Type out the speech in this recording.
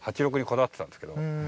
８６にこだわってたんですけど。